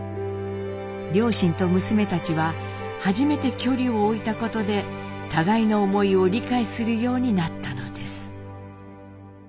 両親と娘たちは初めて距離を置いたことで互いの思いを理解するようになったのです。